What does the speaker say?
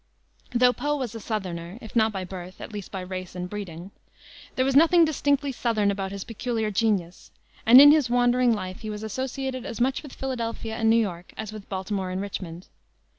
Though Poe was a southerner, if not by birth, at least by race and breeding, there was nothing distinctly southern about his peculiar genius, and in his wandering life he was associated as much with Philadelphia and New York as with Baltimore and Richmond.